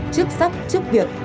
chức sắc chức việc